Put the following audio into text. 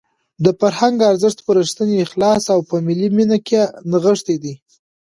د فرهنګ ارزښت په رښتیني اخلاص او په ملي مینه کې نغښتی دی.